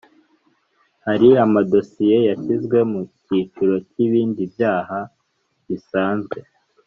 Hari amadosiye yashyizwe mu cyiciro cy’ibindi byaha bisanzwe